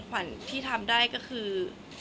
ขวัญที่ทำได้ก็คือ